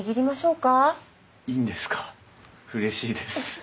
うれしいです。